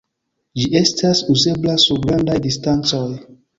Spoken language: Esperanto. Ĝi estas uzebla sur grandaj distancoj.